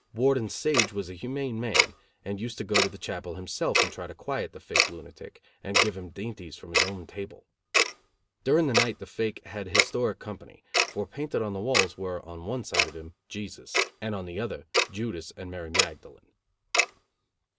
Warden Sage was a humane man, and used to go to the chapel himself and try to quiet the fake lunatic, and give him dainties from his own table. During the night the fake had historic company, for painted on the walls were, on one side of him, Jesus, and on the other, Judas and Mary Magdalene.